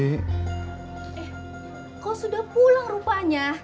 eh kau sudah pulang rupanya